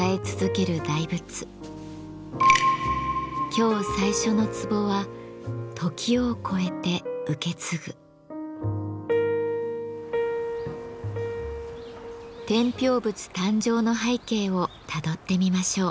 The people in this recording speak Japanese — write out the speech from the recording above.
今日最初のツボは天平仏誕生の背景をたどってみましょう。